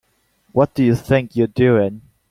What do you think you're doing?